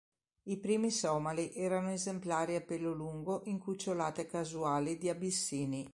I primi somali erano esemplari a pelo lungo in cucciolate casuali di abissini.